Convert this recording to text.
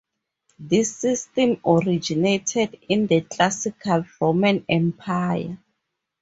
This system originated in the classical Roman Empire.